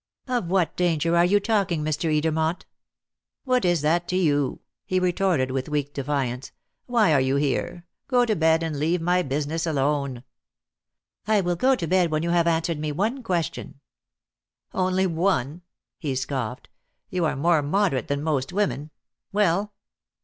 "Of what danger are you talking, Mr. Edermont?" "What is that to you?" he retorted with weak defiance. "Why are you here? Go to bed and leave my business alone!" "I will go to bed when you have answered me one question." "Only one?" he scoffed. "You are more moderate than most women. Well?"